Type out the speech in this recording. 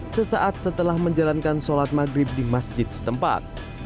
sesaat setelah menjalankan sholat maghrib di masjid setempat